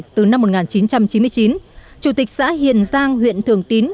từ năm một nghìn chín trăm chín mươi chín chủ tịch xã hiền giang huyện thường tín